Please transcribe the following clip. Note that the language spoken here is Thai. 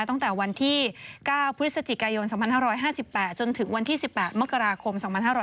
ตั้งแต่วันที่๙พฤศจิกายน๒๕๕๘จนถึงวันที่๑๘มกราคม๒๕๖๐